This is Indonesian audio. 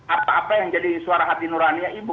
apa apa yang jadi suara hati nuraniya ibu